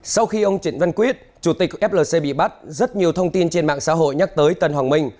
sau khi ông trịnh văn quyết chủ tịch flc bị bắt rất nhiều thông tin trên mạng xã hội nhắc tới tân hoàng minh